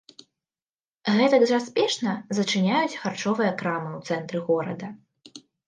Гэтак жа спешна зачыняюцца харчовыя крамы ў цэнтры горада.